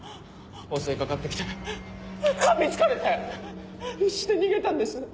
襲い掛かって来て噛みつかれて必死で逃げたんです。